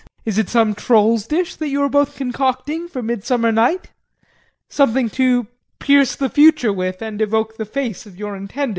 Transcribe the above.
Is it some troll's dish that you are both concocting for midsummer night? Something to pierce the future with and evoke the face of your intended?